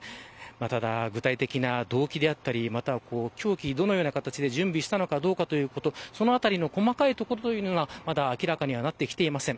ただ、具体的な動機だったりまたは凶器どのような形で準備したのかどうかということそのあたりの細かいところはまだ明らかになっていません。